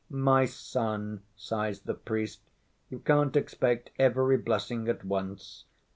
'My son,' sighs the priest, 'you can't expect every blessing at once.